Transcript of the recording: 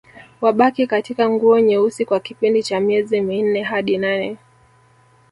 Wabaki katika nguo nyeusi kwa kipindi cha miezi minne hadi nane